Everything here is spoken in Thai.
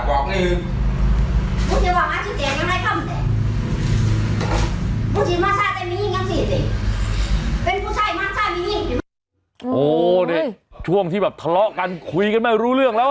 โอ้โหนี่ช่วงที่แบบทะเลาะกันคุยกันไม่รู้เรื่องแล้ว